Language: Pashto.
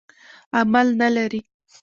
عمل نه لري.